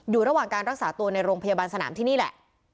อยู่ระหว่างการรักษาตัวในโรงพยาบาลสนามที่นี่แหละ